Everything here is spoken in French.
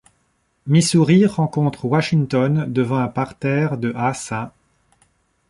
Missouri rencontre Washington devant un parterre de à St.